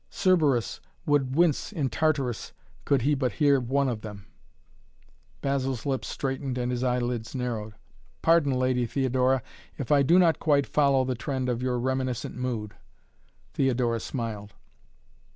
Cerberus would wince in Tartarus could he hear but one of them " Basil's lips straightened and his eyelids narrowed. "Pardon, Lady Theodora, if I do not quite follow the trend of your reminiscent mood " Theodora smiled.